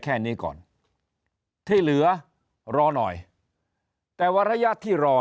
แค่นี้ก่อนที่เหลือรอหน่อยแต่วาระยะที่รอเนี่ยจะทำ